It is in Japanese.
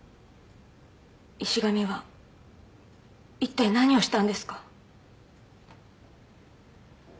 石神は一体何をしたんですか？